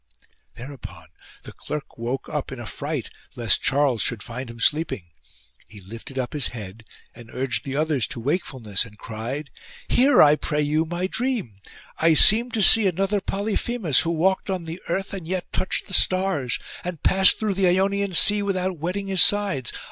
Thereupon the clerk woke up, in a fright lest Charles should find him sleeping. He lifted up 98 LIUTFRID'S DEATH his head and urged the others to wakefulness and cried :" Hear, I pray you, my dream. I seemed to see another Polyphemus, who walked on the earth and yet touched the stars, and passed through the Ionian Sea without wetting his sides.